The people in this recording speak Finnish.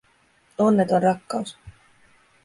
Onneton rakkaus.